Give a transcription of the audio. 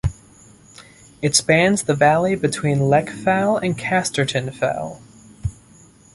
It spans the valley between Leck Fell and Casterton Fell.